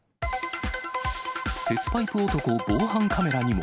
鉄パイプ男、防犯カメラにも。